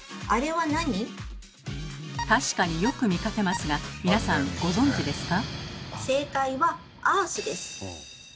確かによく見かけますが皆さんご存じですか？